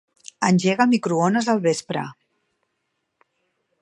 Engega el microones al vespre.